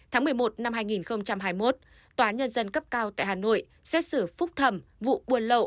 tháng một mươi một năm hai nghìn hai mươi một tòa nhân dân cấp cao tại hà nội xét xử phúc thẩm vụ buôn lậu